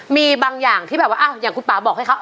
มีบางอย่างที่แบบว่าอย่างคุณป่าบอกให้เขา